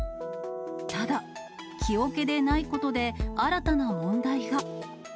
ただ、木おけでないことで、新たな問題が。